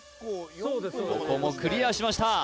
ここもクリアしました！